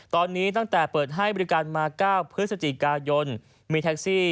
ตอนนี้ตั้งแต่เปิดให้บริการมา๙พฤศจิกายนมีแท็กซี่